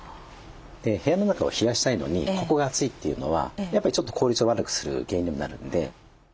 部屋の中を冷やしたいのにここが熱いというのはやっぱりちょっと効率を悪くする原因にもなるんで。